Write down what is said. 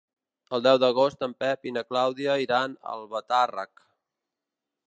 El deu d'agost en Pep i na Clàudia iran a Albatàrrec.